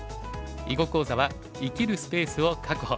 囲碁講座は「生きるスペースを確保」。